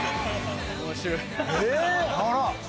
あら！